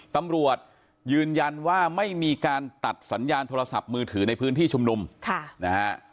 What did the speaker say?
ตำรวจยืนยันว่าไม่มีการตัดสัญญาณโทรศัพท์มือถือในพื้นที่ชุมนุมค่ะนะฮะ